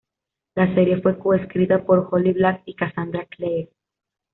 La serie fue co-escrita por Holly Black y Cassandra Clare.